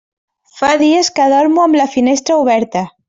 Fa dies que dormo amb la finestra oberta.